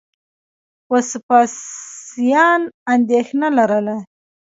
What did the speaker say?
وسپاسیان اندېښنه لرله.